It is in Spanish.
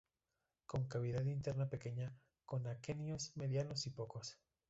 Con cavidad interna pequeña, con aquenios medianos y pocos.